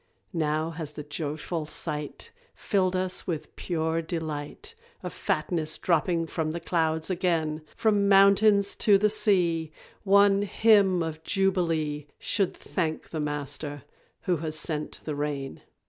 Now has the joyful sight Filled us with pure delight Of fatness dropping from the clouds again; From mountains to the sea, One Hymn of Jubilee Should thank the Master who has sent the rain.